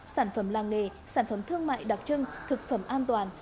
sản phẩm làng nghề sản phẩm thương mại đặc trưng thực phẩm an toàn